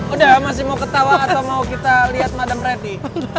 udah masih mau ketawa atau mau kita lihat madam reti